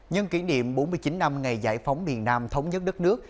nhân kỷ niệm bốn mươi chín năm ngày giải phóng miền nam thống nhất đất nước